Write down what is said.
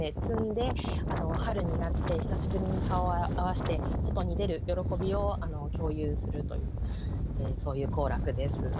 摘んで春になって久しぶりに顔を合わせて外に出る喜びを共有するというそういう行楽です。